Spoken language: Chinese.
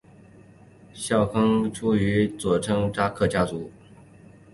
孝惠章皇后出身科尔沁部左翼扎萨克家族。